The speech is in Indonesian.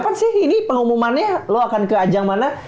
kapan sih ini pengumumannya lo akan ke ajang mana